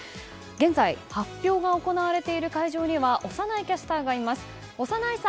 現在発表が行われている会場には小山内キャスターがいます。